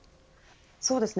そうですね。